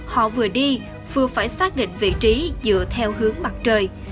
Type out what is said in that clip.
họ vừa đi vừa phải xác định vị trí dựa theo hướng mặt trời